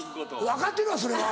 分かってるわそれは！